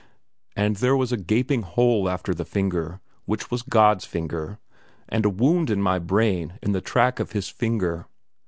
And there was a gaping hole after the finger, which was God's finger, and a wound in my brain in the track of His finger.